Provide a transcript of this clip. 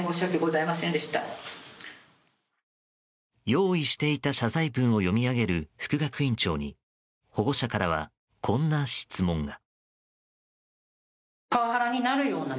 用意していた謝罪文を読み上げる副学院長に保護者からは、こんな質問が。